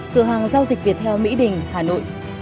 cửa hàng giao dịch việt theo mỹ đình hà nội